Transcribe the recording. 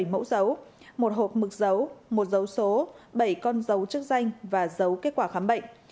bảy mẫu dấu một hộp mực giấu một dấu số bảy con dấu chức danh và dấu kết quả khám bệnh